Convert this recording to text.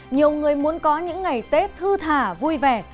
nhiều người muốn có những ngày tết thư thả vui vẻ